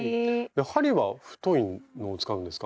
針は太いのを使うんですか？